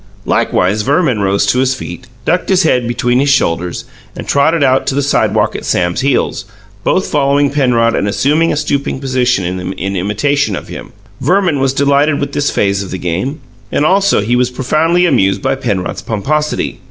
Likewise, Verman rose to his feet, ducked his head between his shoulders, and trotted out to the sidewalk at Sam's heels, both following Penrod and assuming a stooping position in imitation of him. Verman was delighted with this phase of the game, and, also, he was profoundly amused by Penrod's pomposity.